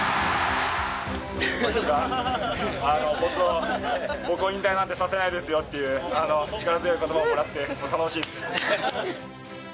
僕を引退なんてさせないですよという力強い言葉をもらって頼もしいです。